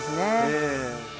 ええ。